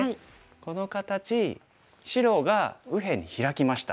この形白が右辺にヒラきました。